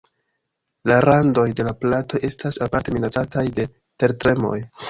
La randoj de la platoj estas aparte minacataj de tertremoj.